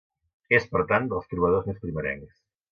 És, per tant, dels trobadors més primerencs.